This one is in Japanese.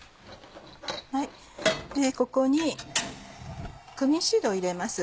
ここにクミンシードを入れます。